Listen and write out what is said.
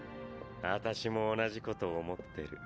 アタシも同じこと思ってる。